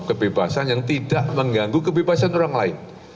kebebasan yang tidak mengganggu kebebasan orang lain